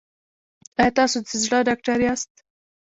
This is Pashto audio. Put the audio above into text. ایا تاسو د زړه ډاکټر یاست؟